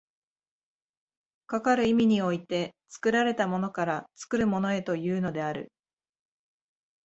かかる意味において、作られたものから作るものへというのである。